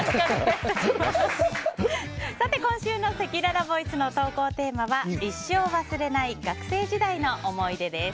今週のせきららボイスの投稿テーマは一生忘れない学生時代の思い出です。